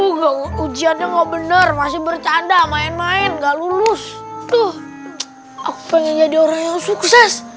tuh ujiannya mau bener masih bercanda main main nggak lulus tuh aku pengen jadi orang yang sukses